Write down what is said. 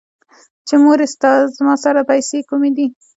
چې مورې زما سره پېسې کوم دي ـ